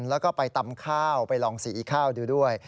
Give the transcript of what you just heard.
แล้วก็ไปตำข้าวไปลองสีข้าวดูด้วย